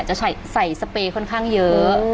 จะใส่สเปย์ค่อนข้างเยอะ